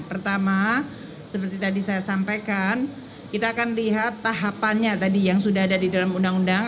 pertama seperti tadi saya sampaikan kita akan lihat tahapannya tadi yang sudah ada di dalam undang undang